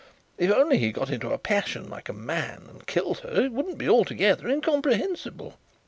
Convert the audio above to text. If only he got into a passion like a man and killed her it wouldn't be altogether incomprehensible."